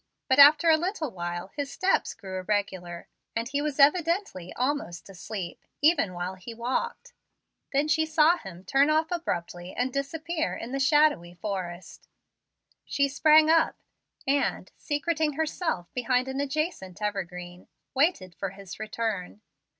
But after a little while his steps grew irregular, and he was evidently almost asleep, even while he walked. Then she saw him turn off abruptly and disappear in the shadowy forest. She sprang up, and, secreting herself behind an adjacent evergreen, waited for his return.